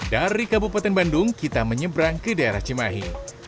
dari kabupaten bandung kita menyeberang ke daerah cimahi